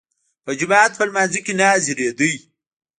په جماعت په لمانځه کې نه حاضرېدی.